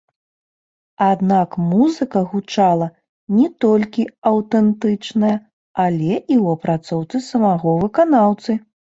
Аднак музыка гучала не толькі аўтэнтычная, але і ў апрацоўцы самога выканаўцы.